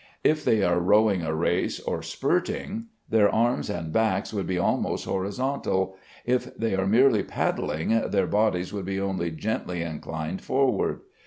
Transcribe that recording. If they are rowing a race, or spurting, their arms and backs would be almost horizontal; if they are merely paddling, their bodies would be only gently inclined forward.